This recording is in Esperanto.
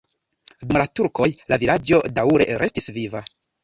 Dum la turkoj la vilaĝo daŭre restis viva.